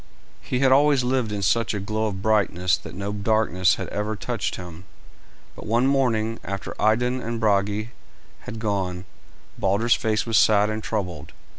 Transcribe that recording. He had always lived in such a glow of brightness that no darkness had ever touched him; but one morning, after Idun and Brage had gone, Balder's face was sad and troubled.